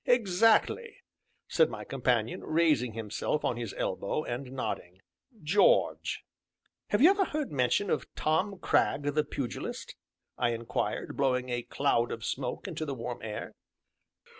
"Exactly!" said my companion, raising himself on his elbow, and nodding: "George." "Have you ever heard mention of Tom Cragg, the Pugilist?" I inquired, blowing a cloud of smoke into the warm air.